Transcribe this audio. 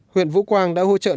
huyện vũ quang đã hỗ trợ